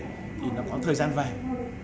thì nó có thời gian vàng